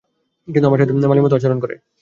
কিন্তু আমার সাথে মালির মতো আচরণ করে।